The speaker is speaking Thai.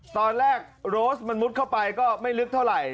ตอนแรกโรสมันมุดเข้าไปก็ไม่ลึกเท่าไหร่